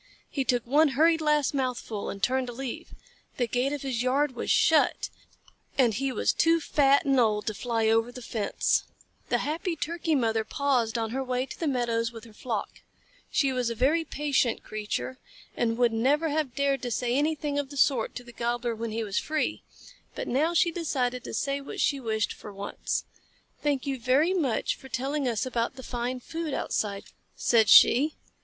He took one hurried last mouthful and turned to leave. The gate of his yard was shut, and he was too fat and old to fly over the fence. [Illustration: THE HAPPY TURKEY MOTHER PAUSED ON HER WAY. Page 113] The happy Turkey mother paused on her way to the meadows with her flock. She was a very patient creature, and would never have dared say anything of the sort to the Gobbler when he was free, but now she decided to say what she wished for once. "Thank you very much for telling us about the fine food outside," said she.